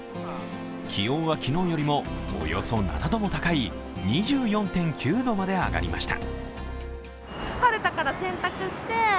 気温は昨日よりもおよそ７度も高い２４．９度まで上がりました。